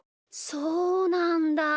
そうなんだ。